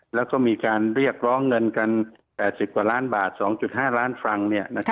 แล้วก็มีการเรียกร้องเงินกัน๘๐กว่าล้านบาท๒๕ล้านฟรัง